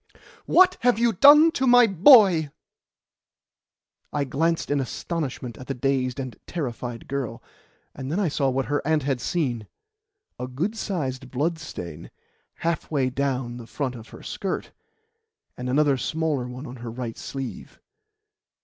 "What have you done to my boy?" I glanced in astonishment at the dazed and terrified girl, and then I saw what her aunt had seen a good sized blood stain halfway down the front of her skirt, and another smaller one on her right sleeve.